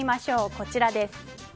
こちらです。